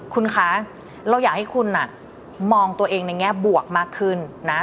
คุณคะเราอยากให้คุณมองตัวเองในแง่บวกมากขึ้นนะ